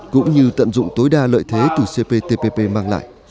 cũng như tận dụng tối đa lợi thế từ cptpp mang lại